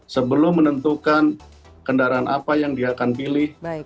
sebelum menentukan kendaraan apa yang dia akan pilih